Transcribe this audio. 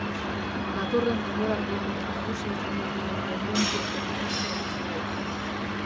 Datorren denboraldian nagusi izango diren tendentzien berri emango dizugu.